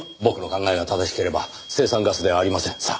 僕の考えが正しければ青酸ガスではありません。